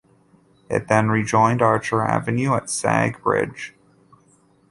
It then rejoined Archer Avenue at Sag Bridge.